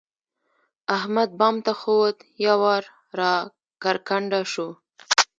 احمد بام ته خوت؛ یو وار را کرکنډه شو.